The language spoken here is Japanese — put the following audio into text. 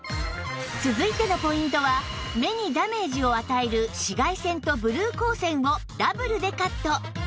続いてのポイントは目にダメージを与える紫外線とブルー光線をダブルでカット！